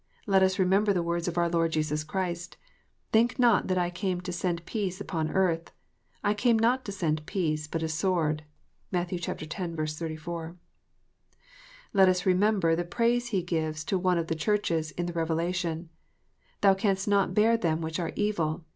Let us remember the words of our Lord Jesus Christ :" Think not that I came to send peace upon earth. I came not to send peace, but a sword." (Matt. x. 34.) Let us remember the praise He gives to one of the Churches in the Revelation :" Thou canst not bear them which are evil.